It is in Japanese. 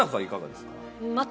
いかがですか？